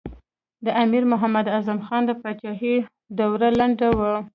د امیر محمد اعظم خان د پاچهۍ دوره لنډه وه.